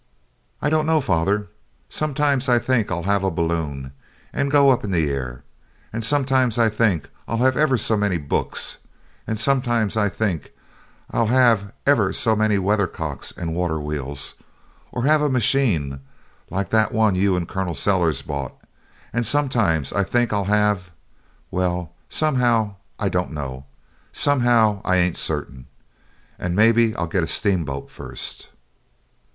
"I don't know, father. Sometimes I think I'll have a balloon and go up in the air; and sometimes I think I'll have ever so many books; and sometimes I think I'll have ever so many weathercocks and water wheels; or have a machine like that one you and Colonel Sellers bought; and sometimes I think I'll have well, somehow I don't know somehow I ain't certain; maybe I'll get a steamboat first."